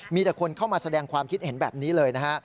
มีแต่คนเข้ามาแสดงความคิดเห็นแบบนี้เลยนะฮะ